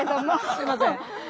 すいません。